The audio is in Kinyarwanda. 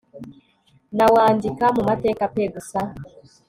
nawandika mumateka pe gusa